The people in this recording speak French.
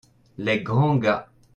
Les grands gars.